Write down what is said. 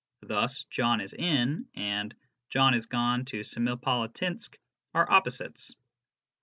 Thus "John is in "and "John is gone to Semipalatinsk" are opposites.